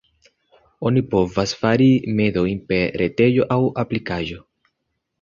Oni povas fari mendojn per retejo aŭ aplikaĵo.